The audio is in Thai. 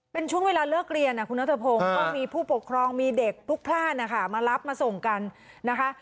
เป็นช่วงเวลาเลิกเรียนคุณนัทพงศ์ก็มีผู้ปกครองมีเด็กพลุกพลาดนะคะมารับมาส่งกันนะคะ